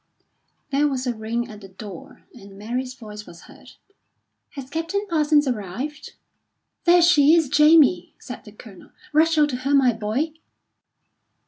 There was a ring at the door, and Mary's voice was heard. "Has Captain Parsons arrived?" "There she is, Jamie!" said the Colonel, "Rush out to her, my boy!"